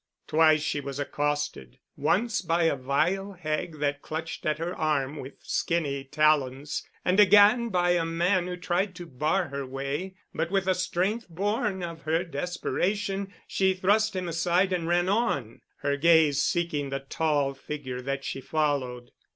Twice she was accosted, once by a vile hag that clutched at her arm with skinny talons, and again by a man who tried to bar her way, but with a strength born of her desperation she thrust him aside and ran on, her gaze seeking the tall figure that she followed.